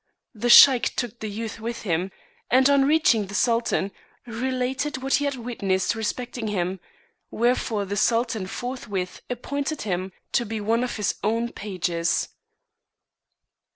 The Sheik took the youth with him, and on reaching the Sultan, related what he had* witnessed respecting him; wherefore the Sultan forthwith appointed him to be one of his own pages.